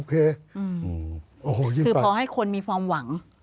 คือพอให้คนมีความหวัง